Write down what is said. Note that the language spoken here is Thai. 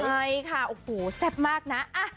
ใช่ค่ะโอ้โหแซ่บมากนะ